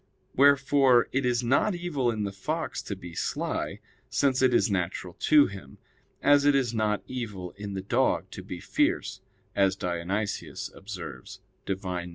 Wherefore it is not evil in the fox to be sly, since it is natural to him; as it is not evil in the dog to be fierce, as Dionysius observes (De Div.